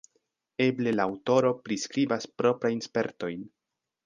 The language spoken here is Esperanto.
Eble la aŭtoro priskribas proprajn spertojn.